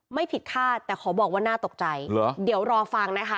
ไม่ผิดค่าแต่ขอบอกว่าน่าตกใจเหรอเดี๋ยวรอฟังนะคะ